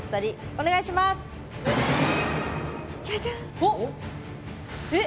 おっ！